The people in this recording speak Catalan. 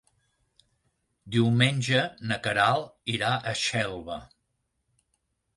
Diumenge na Queralt irà a Xelva.